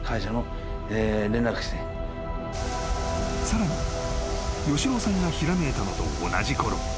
［さらに吉朗さんがひらめいたのと同じころ